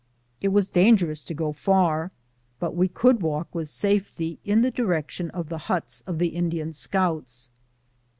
It was dangerous to go far, but we could walk with safety in the direction of the huts of tlie Indian scouts.